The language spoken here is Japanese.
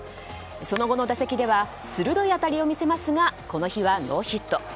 その後の打席では鋭い当たりを見せますが、この日はノーヒット。